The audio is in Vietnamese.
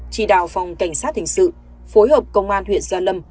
chỉ đạo phòng cảnh sát hình sự phối hợp công an huyện gia lâm